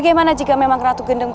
kak tapi kanjeng ratu